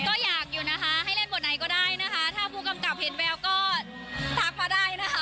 ก็อยากอยู่นะคะให้เล่นบทไหนก็ได้นะคะถ้าผู้กำกับเห็นแววก็ทักมาได้นะคะ